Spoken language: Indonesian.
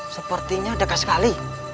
sepertinya ada sekali